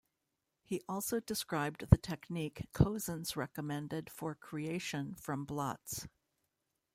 He also described the technique Cozens recommended for creation from blots.